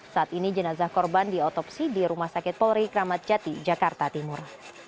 saat ini jenazah korban diotopsi di rumah sakit polri kramat jati jakarta timur